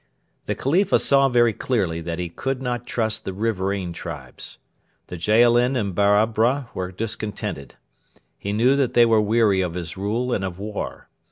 The Khalifa saw very clearly that he could not trust the riverain tribes. The Jaalin and Barabra were discontented. He knew that they were weary of his rule and of war.